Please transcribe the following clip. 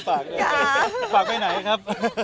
ขอบคุณครับฝากไปไหนครับ